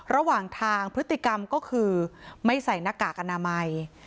ระหว่างทางพฤติกรรมก็คือไม่ใส่หน้ากากอนามัย